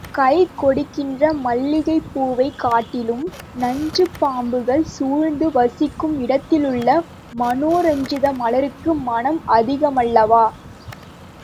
கைக்கெட்டுகின்ற மல்லிகைப்பூவைக் காட்டிலும் நச்சுப் பாம்புகள் சூழ்ந்து வசிக்கும் இடத்திலுள்ள மனோரஞ்சித மலருக்கு மணம் அதிகமல்லவா?